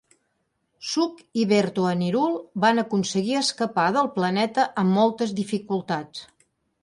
Suk i Berto-Anirul van aconseguir escapar del planeta amb moltes dificultats.